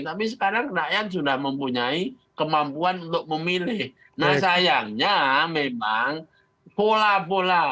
tapi sekarang rakyat sudah mempunyai kemampuan untuk memilih nah sayangnya memang pola pola